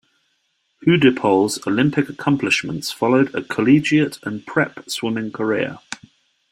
Hudepohl's Olympic accomplishments followed a collegiate and prep swimming career.